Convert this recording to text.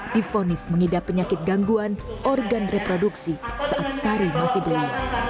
difonis mengidap penyakit gangguan organ reproduksi saat sari masih beli